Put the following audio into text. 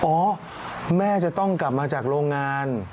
อ๋อแม่จะต้องกลับมาจากโรงงาน